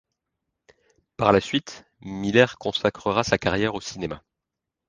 Par la suite, Miller consacre sa carrière au cinéma.